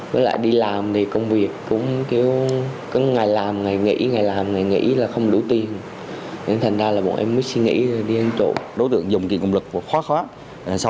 với lại đi làm thì công việc cũng cứ ngày làm ngày nghỉ ngày làm ngày nghỉ